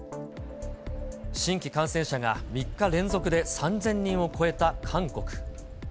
新規感染者が３日連続で３０００人を超えた韓国。